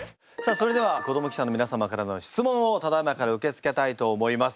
それでは子ども記者の皆様からの質問をただいまから受け付けたいと思います。